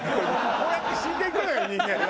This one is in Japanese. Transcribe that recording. こうやって死んでいくのよ人間は。